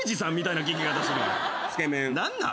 何なん？